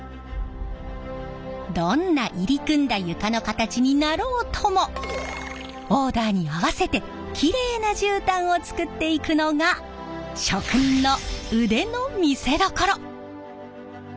どんな入り組んだ床の形になろうともオーダーに合わせてきれいなじゅうたんを作っていくのが職人の腕の見せどころ！